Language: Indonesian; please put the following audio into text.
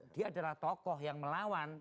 dia adalah tokoh yang melawan